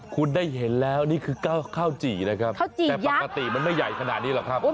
คุณได้เห็นแล้วนี่คือข้าวจี่นะครับแต่ปกติมันไม่ใหญ่ขนาดนี้หรอกครับ